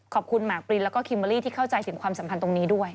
ขอบคุณมากปรินแล้วก็คิมเบอร์รี่ที่เข้าใจถึงความสัมพันธ์ตรงนี้ด้วย